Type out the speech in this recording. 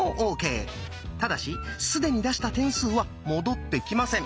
ただし既に出した点数は戻ってきません。